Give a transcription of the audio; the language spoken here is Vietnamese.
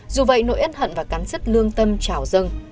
dù vậy nỗi ấn hận và cắn sứt lương tâm trào dâng